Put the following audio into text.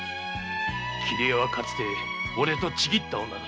桐江はかつて俺と契った女だ。